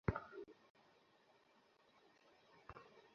তুই উওর দিবি।